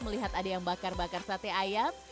melihat ada yang bakar bakar sate ayam